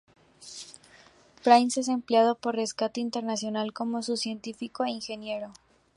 Brains es empleado por Rescate Internacional como su científico e ingeniero.